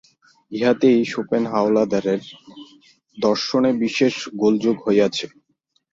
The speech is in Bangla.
ইহাতেই শোপেনহাওয়ারের দর্শনে বিশেষ গোলযোগ হইয়াছে।